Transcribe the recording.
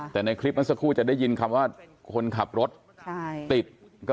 แต่ในคลิปเมื่อสักครู่จะได้ยินคำว่าคนขับรถติด